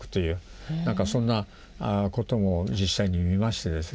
そんなことも実際に見ましてですね。